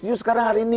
you sekarang hari ini